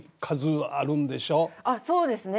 あっそうですね。